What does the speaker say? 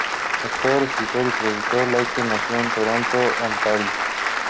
Actor, escritor, y productor, Lake nació en Toronto, Ontario.